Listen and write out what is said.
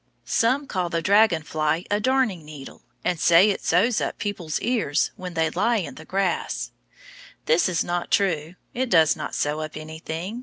Some call the dragon fly a darning needle, and say it sews up people's ears when they lie on the grass. This is not true. It does not sew up anything.